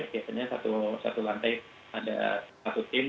biasanya satu lantai ada satu tim